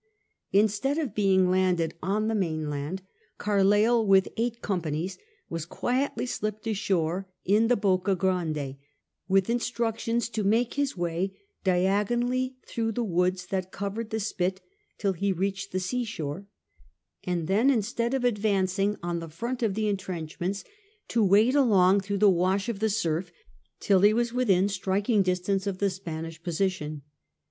Instead of being laaded on the nitinland, CarleiU with eight com panies was quietly slipped ashore in the Bocca Grande, with instructions to make his way diagonally through the woods that covered the spit till he reached the seashore, and then, instead of advancing on the front of the intrenchments, to wade along through the wash of the surf till he was within striking distance of the Spanish position.